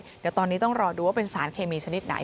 เดี๋ยวตอนนี้ต้องรอดูว่าเป็นสารเคมีชนิดไหน